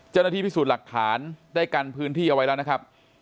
เจ้าหน้าที่พิสูจน์หลักฐานได้กันพื้นที่เอาไว้แล้วนะครับ